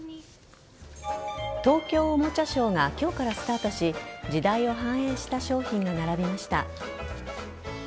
東京おもちゃショーが今日からスタートし時代を反映した商品が並びました。